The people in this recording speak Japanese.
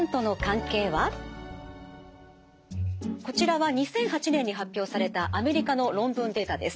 こちらは２００８年に発表されたアメリカの論文データです。